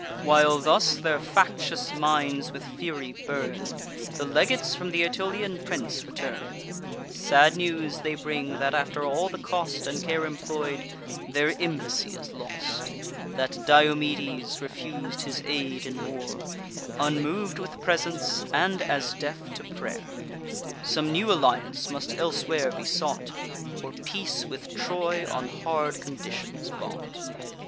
While thus their factious minds with fury burn, The legates from th' Aetolian prince return: Sad news they bring, that, after all the cost And care employ'd, their embassy is lost; That Diomedes refus'd his aid in war, Unmov'd with presents, and as deaf to pray'r. Some new alliance must elsewhere be sought, Or peace with Troy on hard conditions bought.